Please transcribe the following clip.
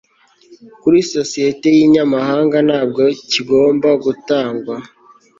kuri sosiyete y'inyamahanga ntabwo kigomba gutangwa